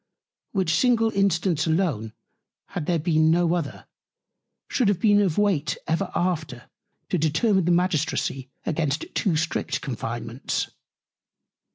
Which single Instance alone, had there been no other, should have been of Weight ever after to determine the Magistracy against too strict Confinements.